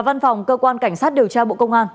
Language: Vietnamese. văn phòng cơ quan cảnh sát điều tra bộ công an